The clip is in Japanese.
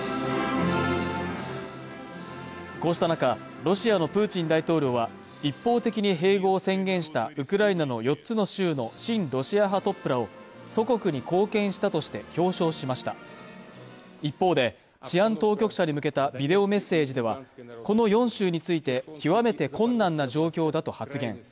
こうした中ロシアのプーチン大統領は一方的に併合を宣言したウクライナの４つの州の親ロシア派トップらを祖国に貢献したとして表彰しました一方で治安当局者に向けたビデオメッセージではこの４州について極めて困難な状況だと発言